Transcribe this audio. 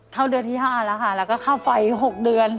เท่าเดือนที่๕และฟัย๖เดือน